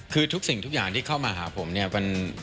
คือทุกสิ่งทุกอย่างที่เข้ามาหาผมเนี่ย